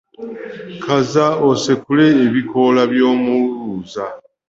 Kaza osekule ebikoola by’omululuuza.